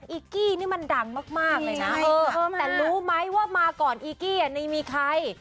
อีกกี้นี่มันดังมากเลยนะแต่รู้ไหมว่ามาก่อนอีกี้นี่มีใคร